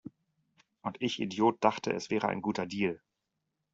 Und ich Idiot dachte, es wäre ein guter Deal!